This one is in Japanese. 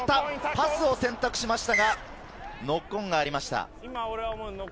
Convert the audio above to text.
パスを選択しましたがノックオンがありました。